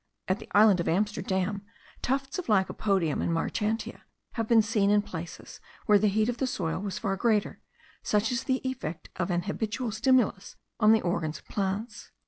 At the island of Amsterdam, tufts of lycopodium and marchantia have been seen in places where the heat of the soil was far greater: such is the effect of an habitual stimulus on the organs of plants.